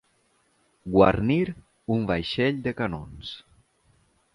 Guarnir un vaixell de canons.